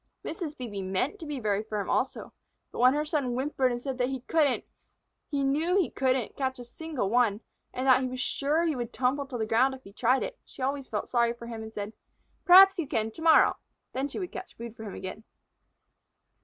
Mrs. Phœbe meant to be very firm also, but when her son whimpered and said that he couldn't, he knew he couldn't, catch a single one, and that he was sure he would tumble to the ground if he tried it, she always felt sorry for him and said: "Perhaps you can to morrow." Then she would catch food for him again.